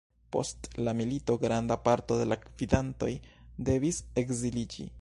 Post la milito granda parto de la gvidantoj devis ekziliĝi.